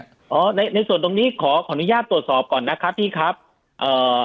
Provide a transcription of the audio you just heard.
อ๋อในในส่วนตรงนี้ขอขออนุญาตตรวจสอบก่อนนะครับพี่ครับเอ่อ